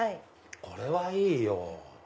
これはいいよ！